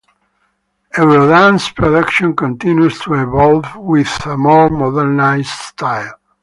Eurodance production continues to evolve with a more modernized style.